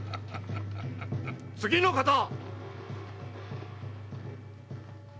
次の方！